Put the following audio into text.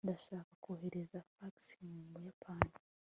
ndashaka kohereza fax mu buyapani